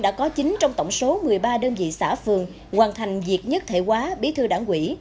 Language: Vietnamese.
đã có chín trong tổng số một mươi ba đơn vị xã phường hoàn thành việc nhất thể hóa bí thư đảng quỹ